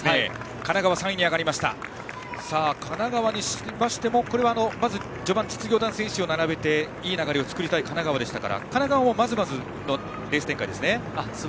神奈川にしましても序盤、実業団選手を並べていい流れを作りたい神奈川でしたから神奈川もまずまずのレース展開ですね。